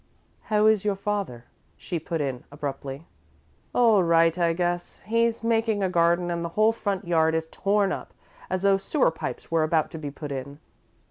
"How is your father?" she put in, abruptly. "All right, I guess. He's making a garden and the whole front yard is torn up as though sewer pipes were about to be put in."